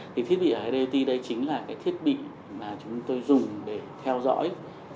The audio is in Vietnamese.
thì thiết bị ở đây chính là thiết bị mà chúng tôi dùng để theo dõi